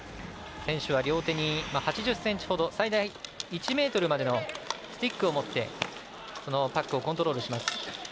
選手は両手に８０ｃｍほど最大１ｍまでのスティックを持ってそのパックをコントロールします。